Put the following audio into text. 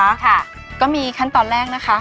ค่ะก็มีขั้นตอนแรกนะคะ